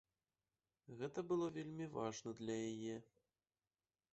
Гэта было вельмі важна для яе.